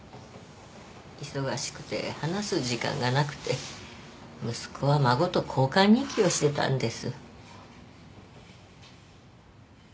忙しくて話す時間がなくて息子は孫と交換日記をしてたんです。